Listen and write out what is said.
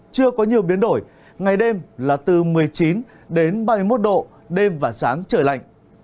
chưa có nhiều biến đổi ngày đêm là từ một mươi chín đến ba mươi một độ đêm và sáng trời lạnh